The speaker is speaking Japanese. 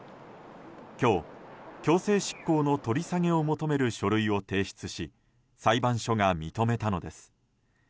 今日、強制執行の取り下げを求める書類を提出し裁判所が認めたのです。